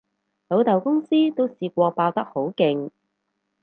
老豆公司都試過爆得好勁